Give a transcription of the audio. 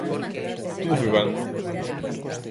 Todo foi ben.